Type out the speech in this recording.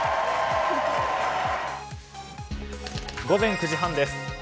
午前９時半です。